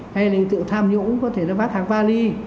hay là tự tham nhũng có thể nó vắt hàng vali